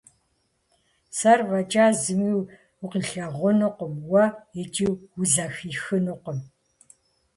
Сэр фӀэкӀа зыми укъилъагъунукъым уэ, икӀи узэхихынукъым…